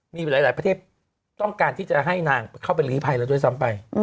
มีหลายประเทศต้องการที่จะให้นางเข้าไปลีภัยแล้วด้วยซ้ำไป